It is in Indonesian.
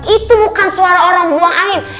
itu bukan suara orang buang angin